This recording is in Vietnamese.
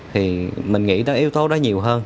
thì mình nghĩ yếu tố đó nhiều hơn